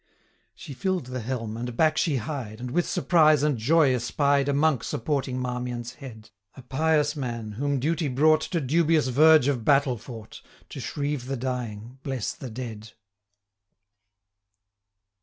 She fill'd the helm, and back she hied, And with surprise and joy espied A Monk supporting Marmion's head; A pious man, whom duty brought 930 To dubious verge of battle fought, To shrieve the dying, bless the dead.